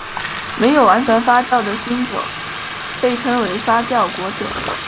没有完全发酵的新酒被称为发酵果酒。